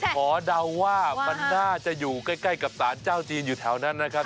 เดาว่ามันน่าจะอยู่ใกล้กับสารเจ้าจีนอยู่แถวนั้นนะครับ